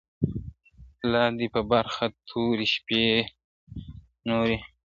لادي په برخه توري شپې نوري ,